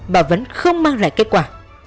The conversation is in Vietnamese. bà vẫn không mang lại kết quả